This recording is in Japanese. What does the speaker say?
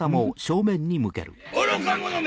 愚か者め！